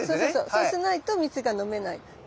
そうしないと蜜が飲めない。